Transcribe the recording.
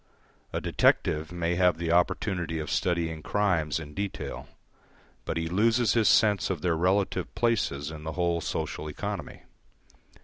A detective may have the opportunity of studying crimes in detail, but he loses his sense of their relative places in the whole social economy.